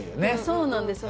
そうなんですよ。